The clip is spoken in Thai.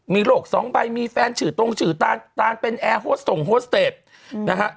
มีโรคสองใบมีแฟนฉือตรงฉือตาลตาลเป็นแอร์โฮสต์ส่งโฮสเตจ